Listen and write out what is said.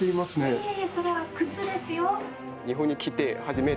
いえいえそれは靴ですよ。